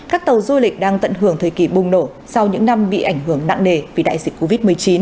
các tàu du lịch đang tận hưởng thời kỳ bùng nổ sau những năm bị ảnh hưởng nặng nề vì đại dịch covid một mươi chín